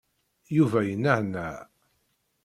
Yuba yenehneh.